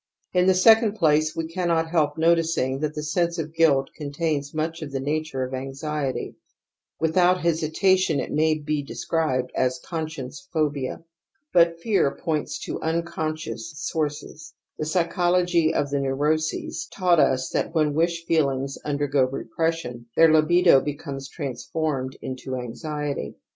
In the second place we cannot help noticing that the| sensgofguil^^ much of thenature ofajjixietyj witibouThesitation^ des cribed as ' cojiscjencejphobia \ But fear points to unconscious sources.. The psychology of the neuroses taught us thatf when wish feelings imdei> go repression their Ubido becomes transformed into anxiety.